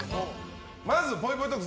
まず、ぽいぽいトーク